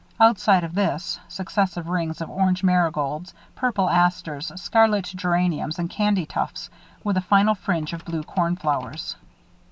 Outside of this, successive rings of orange marigolds, purple asters, scarlet geraniums and candytuft, with a final fringe of blue cornflowers.